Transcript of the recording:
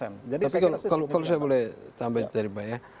tapi kalau saya boleh tambahin tadi pak ya